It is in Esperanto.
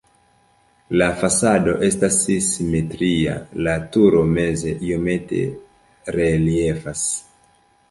La fasado estas simetria, la turo meze iomete reliefas.